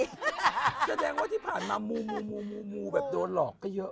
แสดงว่าที่ผ่านมามูมูแบบโดนหลอกก็เยอะ